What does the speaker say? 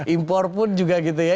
impor pun juga gitu ya